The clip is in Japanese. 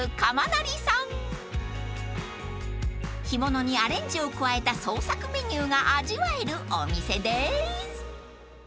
［干物にアレンジを加えた創作メニューが味わえるお店でーす］